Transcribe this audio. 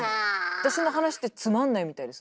私の話ってつまんないみたいです。